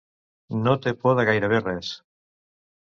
No té por de gairebé res.